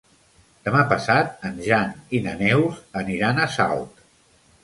Demà passat en Jan i na Neus aniran a Salt.